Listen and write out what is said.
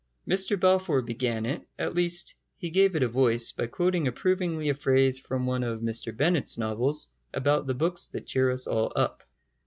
Mr Balfour began it at least, he gave it a voice by quoting approvingly a phrase from one of Mr Bennett's novels about the books that cheer us all up.